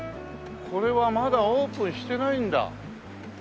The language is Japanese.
これはまだオープンしてないんだ。